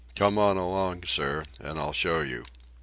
Come on along, sir, and I'll show you."